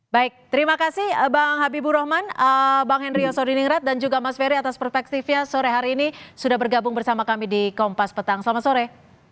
baik terima kasih bang habibur rahman bang henry yosodiningrat dan juga mas ferry atas perspektifnya sore hari ini sudah bergabung bersama kami di kompas petang selamat sore